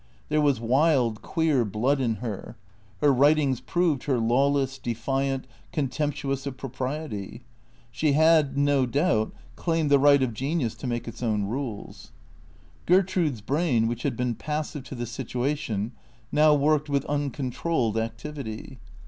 There was wild, queer blood in her. Her writings proved her lawless, defiant, contemptuous of propriety. She had, no doubt, claimed the right of genius to make its own rules. Gertrude's brain, which had been passive to the situation, now worked with uncontrolled activity.